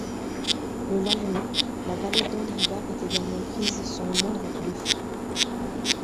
Le lendemain, la vallée d'Andriba est également prise sans le moindre coup de feu.